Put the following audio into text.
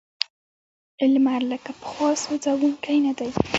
لمر لکه پخوا سوځونکی نه دی.